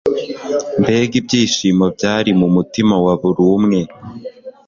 Mbega ibyishimo byari mu mutima wa buri umwe